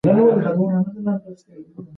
فیصل خپلې خور ته په کتو سره سختې خبرې وکړې.